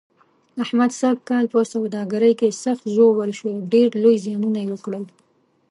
احمد سږ کال په سوداګرۍ کې سخت ژوبل شو، ډېر لوی زیانونه یې وکړل.